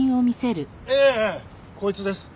ええこいつです。